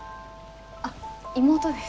あっ妹です。